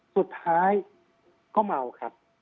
สุดท้ายก็เมาครับ